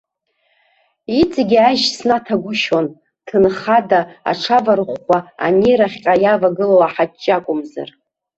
Иҵегьы ажь снаҭагәышьон, ҭынхада, аҽаварӷәӷәа, анирахьҟа иавагылоу аҳаҷҷа акәымзар.